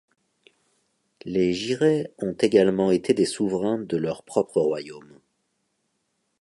Les Giray ont également été des souverains de leur propre royaume.